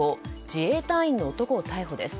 自衛隊員の男を逮捕です。